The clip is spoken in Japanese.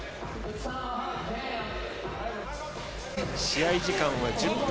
試合時間は１０分。